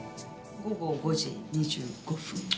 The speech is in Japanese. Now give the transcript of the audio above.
午後５時２５分。